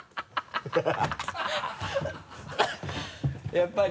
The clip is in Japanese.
やっぱり。